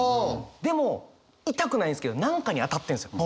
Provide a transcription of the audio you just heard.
でも痛くないんですけど何かに当たってんですよボンって。